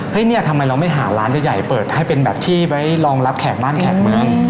เนี่ยทำไมเราไม่หาร้านใหญ่เปิดให้เป็นแบบที่ไว้รองรับแขกบ้านแขกเมือง